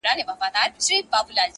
سیاه پوسي ده، ماسوم یې ژاړي,